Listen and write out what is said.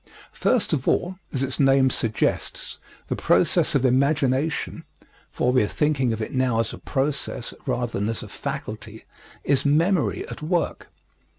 First of all, as its name suggests, the process of imagination for we are thinking of it now as a process rather than as a faculty is memory at work.